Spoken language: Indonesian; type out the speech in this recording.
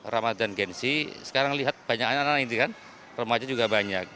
ramadhan gensi sekarang lihat banyak anak anak ini kan remaja juga banyak